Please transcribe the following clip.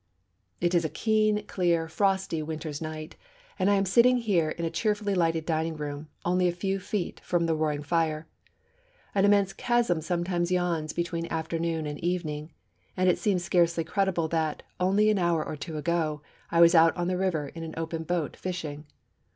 It is a keen, clear, frosty winter's night, and I am sitting here in a cheerfully lighted dining room only a few feet from a roaring fire. An immense chasm sometimes yawns between afternoon and evening, and it seems scarcely credible that, only an hour or two ago, I was out on the river in an open boat, fishing.